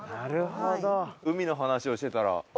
「はい」「海の話をしてたら」